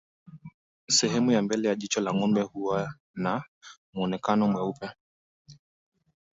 Sehemu ya mbele ya jicho la ngombe huwa na mwonekano mweupe